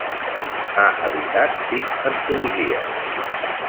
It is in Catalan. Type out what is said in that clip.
Ha editat sis antologies.